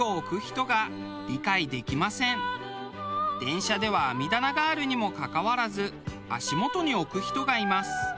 電車では網棚があるにもかかわらず足元に置く人がいます。